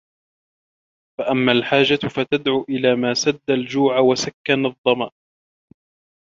فَأَمَّا الْحَاجَةُ فَتَدْعُو إلَى مَا سَدَّ الْجُوعَ وَسَكَّنَ الظَّمَأَ